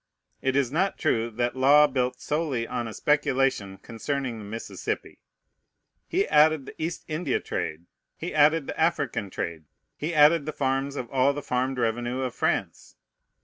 It is not true that Law built solely on a speculation concerning the Mississippi. He added the East India trade; he added the African trade; he added the farms of all the farmed revenue of France.